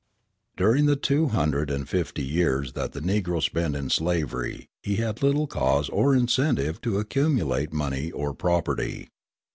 During the two hundred and fifty years that the Negro spent in slavery he had little cause or incentive to accumulate money or property.